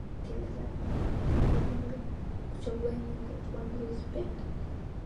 wasikilizaji wanatumia ujumbe kuchagua nyimbo wanazozipenda